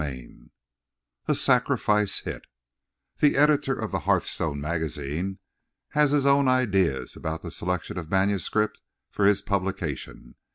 XIII A SACRIFICE HIT The editor of the Hearthstone Magazine has his own ideas about the selection of manuscript for his publication.